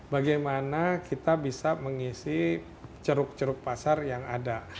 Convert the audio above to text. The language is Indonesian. bagaimana kita bisa mengisi ceruk ceruk pasar yang ada